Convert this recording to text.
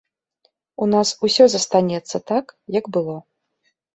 У нас усё застанецца так, як было.